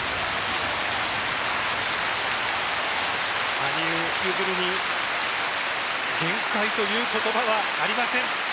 羽生結弦に限界という言葉はありません。